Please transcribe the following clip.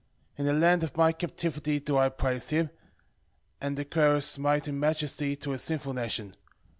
In the land of my captivity do I praise him, and declare his might and majesty to a sinful nation.